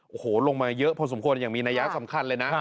โอ้โหลงมาเยอะพอสมควรอย่างมีนัยสำคัญเลยนะ